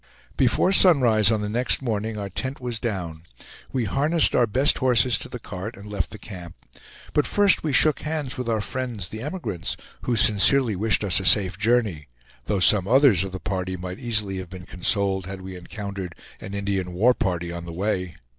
Before sunrise on the next morning our tent was down; we harnessed our best horses to the cart and left the camp. But first we shook hands with our friends the emigrants, who sincerely wished us a safe journey, though some others of the party might easily have been consoled had we encountered an Indian war party on the way.